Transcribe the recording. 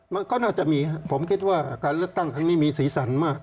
มันก็น่าจะมีครับผมคิดว่าการเลือกตั้งครั้งนี้มีสีสันมาก